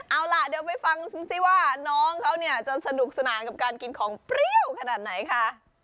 เอาล่ะเดี๋ยวไปฟังซิว่าน้องเขาเนี่ยจะสนุกสนานกับการกินของเปรี้ยวขนาดไหนคะ